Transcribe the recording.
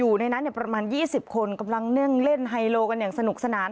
อยู่ในนั้นประมาณ๒๐คนกำลังนั่งเล่นไฮโลกันอย่างสนุกสนาน